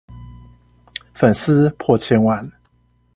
粉絲破千萬